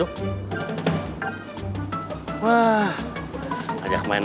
sulit lempar jaring